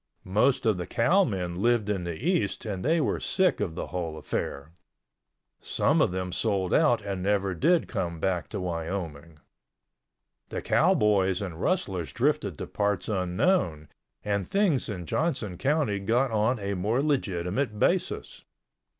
Most of the cowmen lived in the East and they were sick of the whole affair. Some of them sold out and never did come back to Wyoming. The cowboys and rustlers drifted to parts unknown, and things in Johnson County got on a more legitimate basis.